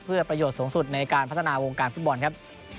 เพื่อประโยชน์สูงสุดในการพัฒนาวงการฟุตบอลครับ